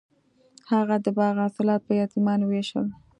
هغه د باغ حاصلات په یتیمانو ویشل.